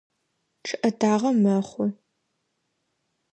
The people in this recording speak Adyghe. Чъыӏэтагъэ мэхъу.